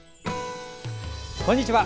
こんにちは。